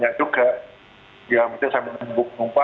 yang itu kita belum rokok ya